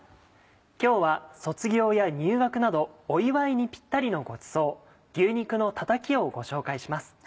今日は卒業や入学などお祝いにピッタリのごちそう「牛肉のたたき」をご紹介します。